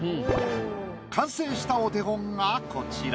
完成したお手本がこちら。